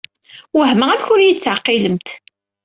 Wehmeɣ amek ur yi-d-teɛqilemt.